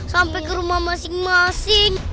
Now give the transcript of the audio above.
sampai ke rumah masing masing